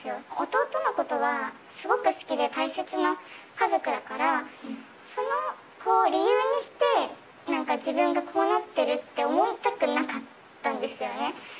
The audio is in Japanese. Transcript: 弟のことはすごく好きで大切な家族だから、その子を理由にして、なんか自分がこうなってるって思いたくなかったんですよね。